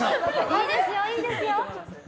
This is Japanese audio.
いいですよ、いいですよ！